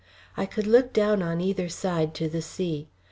I could look down on either side to the sea.